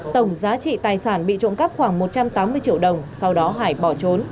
tổng giá trị tài sản bị trộm cắp khoảng một trăm tám mươi triệu đồng sau đó hải bỏ trốn